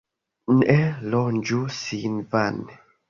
Ne ronĝu sin vane.